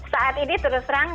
saat ini terus terang